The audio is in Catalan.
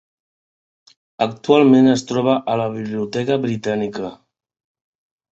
Actualment es troba a la Biblioteca Britànica.